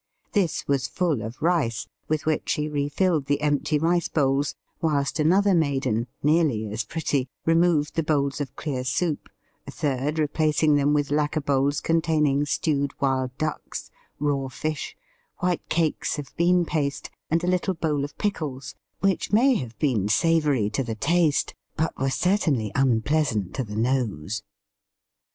This was full of rice, with which she refilled the empty rice bowls, whilst another maiden, nearly as pretty, removed the bowls of clear soup, a third replacing them with lacquer bowls containing stewed wild ducks, raw fish, white cakes of bean paste, and a little bowl of pickles, which may have been savoury to the taste but were certainly unpleasant to the nose.